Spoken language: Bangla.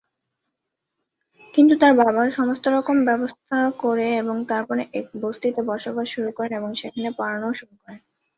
কিন্তু তার বাবা, সমস্ত রকম ব্যবস্থা করে এবং তারপর এক বস্তিতে বসবাস শুরু করেন এবং সেখানে পড়ানো শুরু করেন।